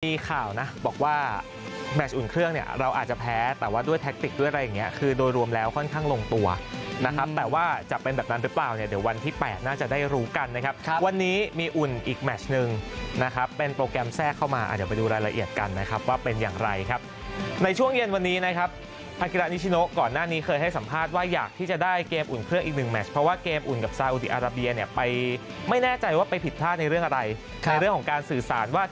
มีข่าวนะบอกว่าแมชอุ่นเครื่องเนี่ยเราอาจจะแพ้แต่ว่าด้วยแท็กติกด้วยอะไรอย่างเงี้ยคือโดยรวมแล้วค่อนข้างลงตัวนะครับแต่ว่าจะเป็นแบบนั้นหรือเปล่าเนี่ยเดี๋ยววันที่๘น่าจะได้รู้กันนะครับวันนี้มีอุ่นอีกแมชนึงนะครับเป็นโปรแกรมแทรกเข้ามาอ่ะเดี๋ยวไปดูรายละเอียดกันนะครับว่าเป็นอย่างไรครั